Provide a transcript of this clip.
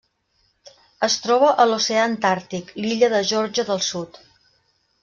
Es troba a l'oceà Antàrtic: l'illa de Geòrgia del Sud.